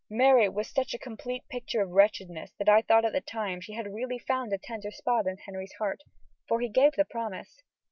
Mary was such a complete picture of wretchedness that I thought at the time she had really found a tender spot in Henry's heart, for he gave the promise.